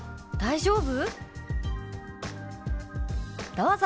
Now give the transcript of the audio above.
どうぞ。